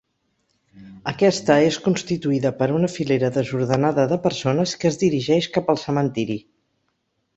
Aquesta és constituïda per una filera desordenada de persones que es dirigeix cap al cementiri.